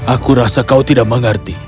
aku rasa kau tidak mengerti